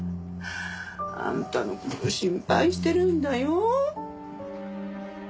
あんたの事心配してるんだよ。